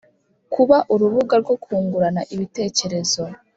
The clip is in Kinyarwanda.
Kuba urubuga rwo kungurana ibitekerezo